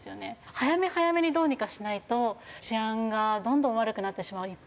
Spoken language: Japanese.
早め早めにどうにかしないと治安がどんどん悪くなってしまう一方だと思います。